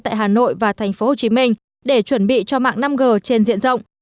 tại hà nội và thành phố hồ chí minh để chuẩn bị cho mạng năm g trên diện rộng